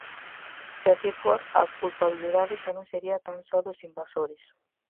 Se así for, a culpabilidade xa non sería tan só dos invasores.